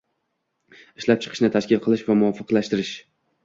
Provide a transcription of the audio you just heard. ishlab chiqishni tashkil qilish va muvofiqlashtirish